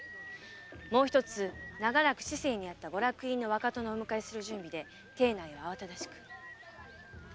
もうひとつ長らく市井にあったご落胤の若殿をお迎えする準備で邸内は慌ただしく。